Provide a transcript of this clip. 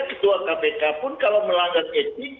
ketua kpk pun kalau melanggar etik